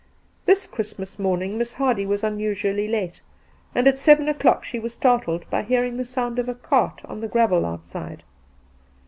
This Christmas morning Miss Hardy was un usually late, and at seven o'clock she was startled by hearing the sound of a cart on the gravel out side.